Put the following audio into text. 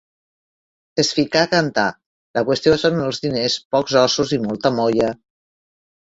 Es ficà a cantar: 'La qüestió són els diners, pocs ossos i molta molla.'